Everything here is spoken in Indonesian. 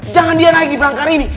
jangan dia naik di belakang ini